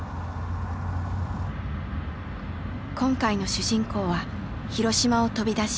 今回の主人公は広島を飛び出し